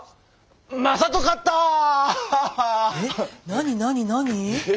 何何何？え？